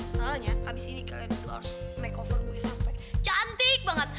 soalnya abis ini kalian berdua harus makeover gue sampe cantik banget